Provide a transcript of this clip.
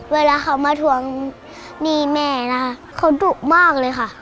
เวลาเขามาทวงหนี้แม่นะคะเขาดุมากเลยค่ะ